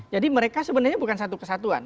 jadi mereka sebenarnya bukan satu kesatuan